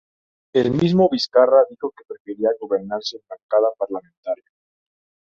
El mismo Vizcarra dijo que prefería gobernar sin bancada parlamentaria.